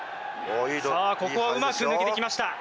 さあここはうまく抜けてきました。